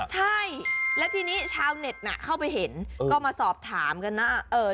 ใช่และทีนี้ชาวเน็ตเข้าไปเห็นก็มาสอบถามกันนะ